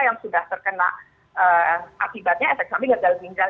yang sudah terkena akibatnya efek samping gagal ginjal